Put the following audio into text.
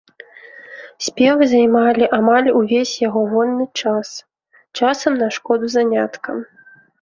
Спевы займалі амаль увесь яго вольны час, часам на шкоду заняткам.